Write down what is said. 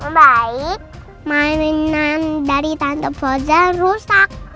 mbaik mainan dari tante frozen rusak